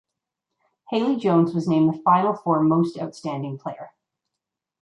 Haley Jones was named the Final Four Most Outstanding Player.